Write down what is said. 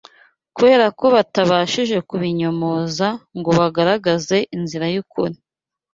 kubera ko batabashije kubinyomoza ngo bagaragaze inzira y’ukuri